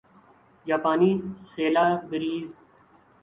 جاپانی سیلابریز